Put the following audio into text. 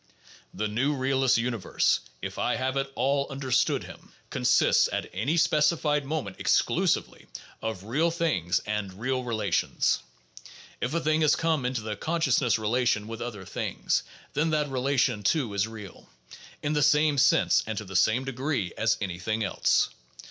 The new realist's universe — if I have at all understood him — consists at any specified moment exclusively of real things and real relations. If a thing has come into the "consciousness relation" with other things, then that relation too is real, in the same sense and to the same degree as any thing else.